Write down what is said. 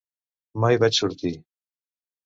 Mai vaig sortir.